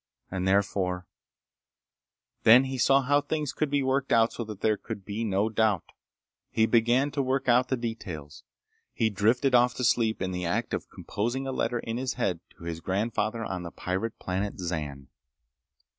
And therefore— Then he saw how things could be worked out so that there could be no doubt. He began to work out the details. He drifted off to sleep in the act of composing a letter in his head to his grandfather on the pirate planet Zan.